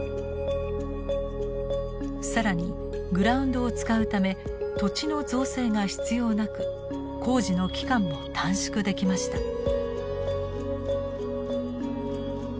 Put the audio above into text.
更にグラウンドを使うため土地の造成が必要なく工事の期間も短縮できました。